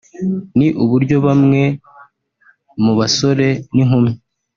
ni uburyo bamwe mu basore n’inkumi